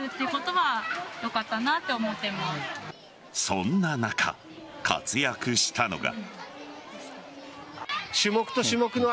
そんな中、活躍したのが。